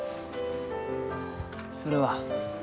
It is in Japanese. それは？